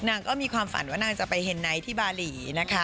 นางก็มีความฝันว่านางจะไปเฮนไนท์ที่บาหลีนะคะ